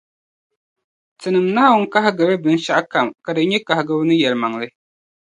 Tinim’ Naawuni kahigila binshɛɣu kam ka di nyɛ kahigibu ni yεlimaŋli.